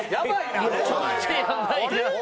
めちゃくちゃやばいな。